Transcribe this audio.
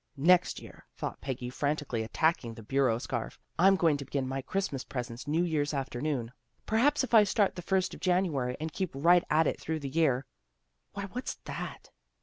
" Next year," thought Peggy, frantically attacking the bureau scarf, "I'm going to begin my Christmas presents New Year's afternoon. Perhaps if I start the first of January and keep right at it through the year Why, what's that?